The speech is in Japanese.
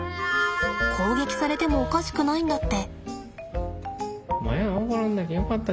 攻撃されてもおかしくないんだって。